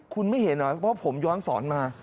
คุณไม่เห็นเหรอเพราะผมย้อนสอนมา